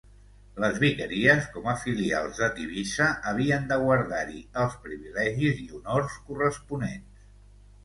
Les vicaries, com a filials de Tivissa, havien de guardar-hi els privilegis i honors corresponents.